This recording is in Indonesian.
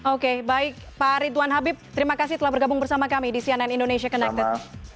oke baik pak ridwan habib terima kasih telah bergabung bersama kami di cnn indonesia connected